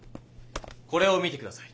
これを見て下さい。